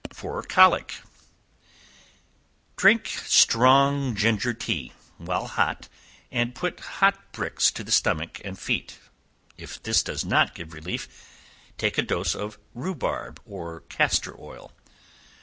For Colic. Drink strong ginger tea, while hot, and put hot bricks to the stomach and feet; if this does not give relief, take a dose of rhubarb or castor oil.